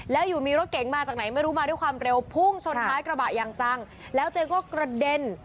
แล้วอยู่มีรถเก๋งมาจากไหนไม่รู้มาด้วยความเร็วพุ่งชนท้ายกระบะอย่างจังแล้วตัวเองก็กระเด็น